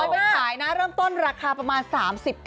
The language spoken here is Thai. เออเอาไปขายนะเริ่มต้นราคาประมาณ๓๙บาทนะคะ